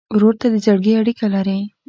ورور ته د زړګي اړیکه لرې.